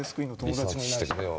リサーチしてくれよ。